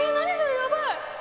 やばい！